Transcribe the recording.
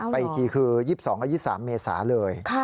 ไปอีกกี่คือ๒๒๒๓เมษาเลย